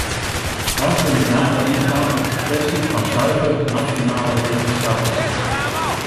Graag wil ik nader ingaan op de kwestie van zuiver nationale registratie.